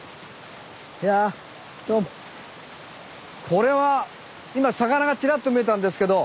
これは今魚がちらっと見えたんですけど。